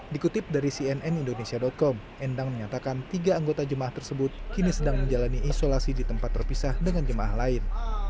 dikutip dari cnn indonesia com endang menyatakan tiga anggota jemaah tersebut kini sedang menjalani isolasi di tempat terpisah dengan jemaah lain